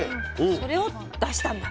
それを出したんだ。